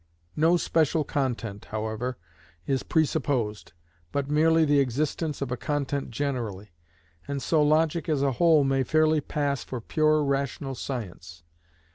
No special content, however, is presupposed, but merely the existence of a content generally, and so logic as a whole may fairly pass for pure rational science.